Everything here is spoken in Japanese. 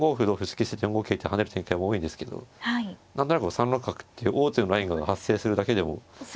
突き捨てて４五桂と跳ねる展開も多いんですけど何となく３六角っていう王手のラインが発生するだけでも。